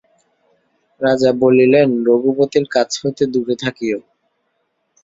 রাজা বলিলেন, রঘুপতির কাছ হইতে দূরে থাকিয়ো।